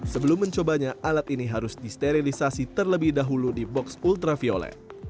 sebelum mencobanya alat ini harus disterilisasi terlebih dahulu di box ultraviolet